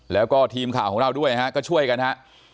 แล้วก็ทีมข่าวของเราด้วยฮะก็ช่วยกันฮะ